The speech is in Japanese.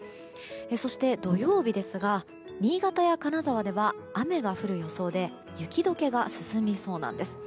そして、土曜日ですが新潟や金沢では雨が降る予想で雪解けが進みそうなんです。